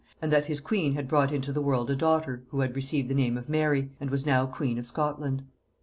and that his queen had brought into the world a daughter, who had received the name of Mary, and was now queen of Scotland.